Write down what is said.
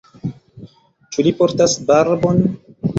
Ĉu li portas barbon?